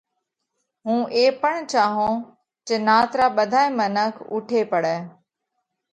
هُون اي پڻ چاهونھ جي نات را ٻڌائي منک اُوٺي پڙئہ